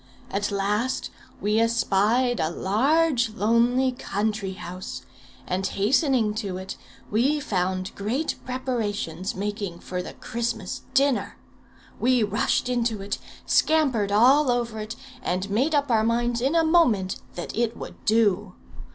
At last we espied a large lonely country house, and hastening to it, we found great preparations making for the Christmas dinner. We rushed into it, scampered all over it, and made up our minds in a moment that it would do.